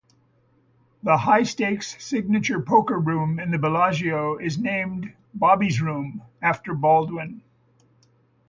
The high-stakes signature poker room in the Bellagio is named "Bobby's Room" after Baldwin.